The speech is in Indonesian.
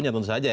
ya tentu saja